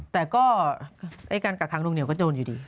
แต่ก็ไอ้การกักทางดวงเหนียวก็โดนอยู่ดี